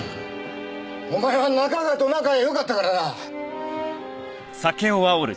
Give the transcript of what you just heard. お前は仲川と仲がよかったからな！